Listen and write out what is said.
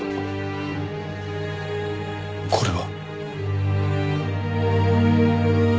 これは。